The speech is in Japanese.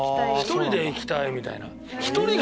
１人で行きたいみたいな。